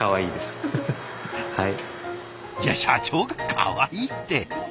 いや社長が「かわいい」って。